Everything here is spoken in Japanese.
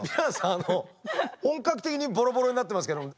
あの本格的にボロボロになってますけども。